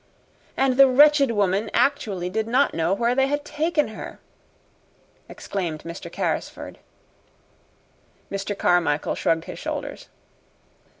"And the wretched woman actually did not know where they had taken her!" exclaimed Mr. Carrisford. Mr. Carmichael shrugged his shoulders.